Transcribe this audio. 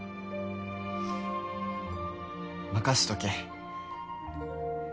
「任しとけ」